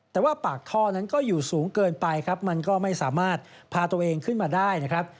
แต่ว่าปากท่อนั้นก็อยู่สูงเกินไปครับมันก็ไม่สามารถพาตัวเองขึ้นมาได้นะครับ